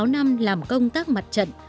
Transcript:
một mươi sáu năm làm công tác mặt trận